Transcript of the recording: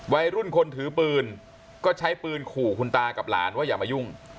วัยรุ่นคนถือปืนก็ใช้ปืนขู่คุณตากับหลานว่าอย่ามายุ่ง